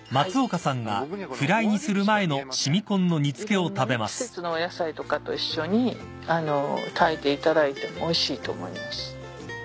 いろんなね季節のお野菜とかと一緒に炊いていただいてもおいしいと思います。